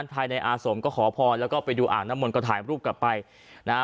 ภายในอาสมก็ขอพรแล้วก็ไปดูอ่างน้ำมนต์ก็ถ่ายรูปกลับไปนะฮะ